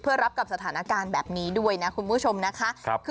เพื่อรับกับสถานการณ์แบบนี้ด้วยนะคุณผู้ชมนะคะ